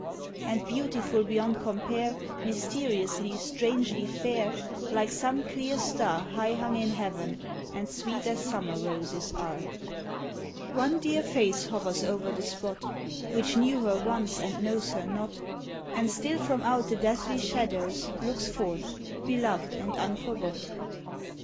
And, beautiful beyond compare, Mysteriously, strangely fair, Like some clear star high hung in heaven And sweet as summer roses are, One dear face hovers o'er the spot, Which knew her once and knows her not ; And still from out the deathly shadows, Looks forth, beloved and unforgot.